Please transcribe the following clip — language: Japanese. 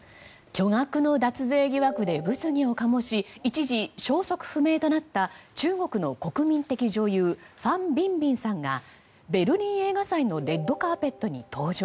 巨額の脱税疑惑で物議を醸し一時、消息不明となった中国の国民的女優ファン・ビンビンさんがベルリン映画祭のレッドカーペットに登場。